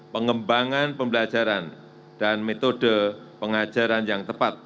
pengembangan pembelajaran dan metode pengajaran yang tepat